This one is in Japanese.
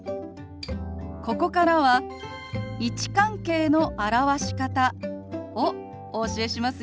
ここからは位置関係の表し方をお教えしますよ。